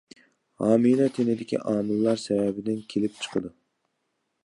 ھامىلە تېنىدىكى ئامىللار سەۋەبىدىن كېلىپ چىقىدۇ.